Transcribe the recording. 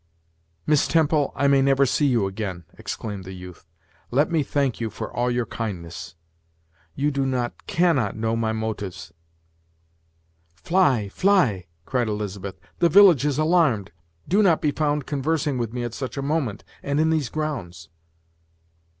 "Miss Temple, I may never see you again," exclaimed the youth; "let me thank you for all your kindness; you do not, cannot know my motives." "Fly! fly!" cried Elizabeth; "the village is alarmed. Do not be found conversing with me at such a moment, and in these grounds."